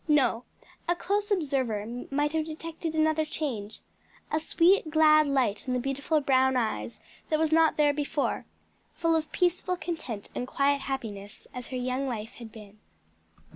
No; a close observer might have detected another change; a sweet glad light in the beautiful brown eyes that was not there before; full of peaceful content and quiet happiness as her young life had been.